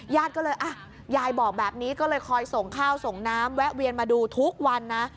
ยายบอกแบบนี้ก็เลยคอยส่งข้าวส่งน้ำแวะเวียนมาดูทุกวันนะ